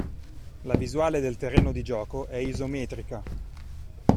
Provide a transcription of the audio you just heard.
La visuale del terreno di gioco è isometrica.